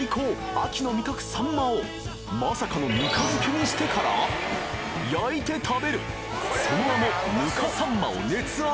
秋の味覚サンマをまさかのぬか漬けにしてから焼いて食べるその名もぬかサンマを熱愛！